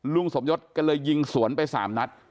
ลุงสมยศก็เลยยิงสวนไป๓นัด